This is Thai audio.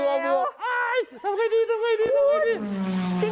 เอ้ยยยยยทำไงดีดูไกลดิ